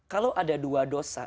kalau ada dua dosa